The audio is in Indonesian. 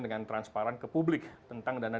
dengan transparan ke publik tentang dana